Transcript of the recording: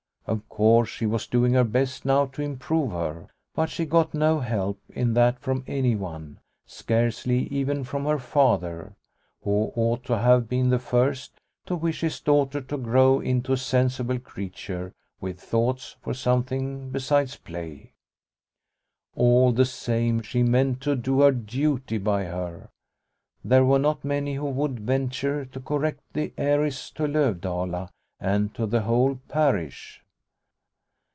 Of course she was doing her best now to improve her, but she got no help in that from anyone, scarcely even from her Father, who ought to have been the first to wish his daughter to grow into a sensible creature with thoughts for something besides play. All the same she meant to do her duty by her. There were not many who would venture to correct the heiress to Lovdala and to the whole parish.